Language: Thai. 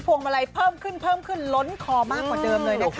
พวงมาลัยเพิ่มขึ้นขอมากกว่าเดิมเลยนะคะ